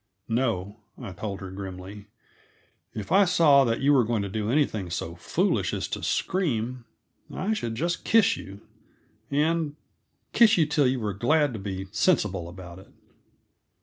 "No," I told her grimly. "If I saw that you were going to do anything so foolish as to scream, I should just kiss you, and kiss you till you were glad to be sensible about it."